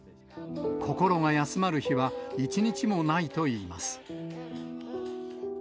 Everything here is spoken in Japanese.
心が休まる日は、一日もないといいます。